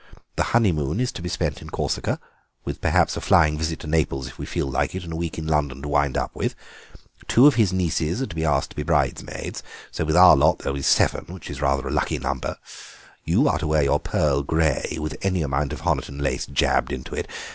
The honeymoon is to be spent in Corsica, with perhaps a flying visit to Naples if we feel like it, and a week in London to wind up with. Two of his nieces are to be asked to be bridesmaids, so with our lot there will be seven, which is rather a lucky number. You are to wear your pearl grey, with any amount of Honiton lace jabbed into it.